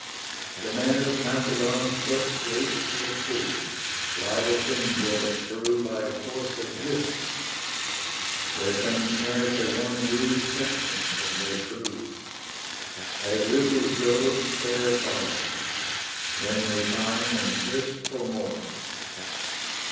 The man of Macedon Cleft gates of cities, rival kings o'erthrew By force of gifts: their cunning snares have won Rude captains and their crew. As riches grow, care follows: men repine And thirst for more.